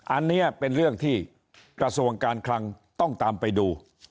อันนี้เป็นเรื่องที่กระทรวงการคลังต้องตามไปดู